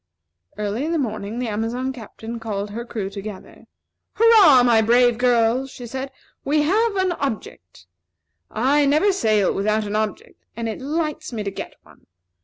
Early in the morning, the Amazon Captain called her crew together. "Hurrah, my brave girls!" she said. "We have an object. I never sail without an object, and it lights me to get one.